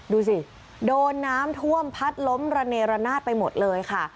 ดูสิโดนน้ำท่วมพัดล้มระเนระนาดไปหมดเลยค่ะ